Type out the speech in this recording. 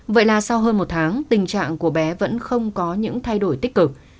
vậy là sau hơn một tháng tình trạng của bé vẫn không có những thay đổi tích cực